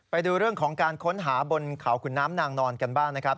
ไปดูเรื่องของการค้นหาบนเขาขุนน้ำนางนอนกันบ้างนะครับ